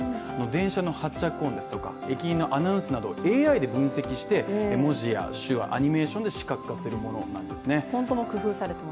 電車の発着音ですとか、駅のアナウンスなど、ＡＩで分析して文字や手話アニメーションで視覚化するものなんですね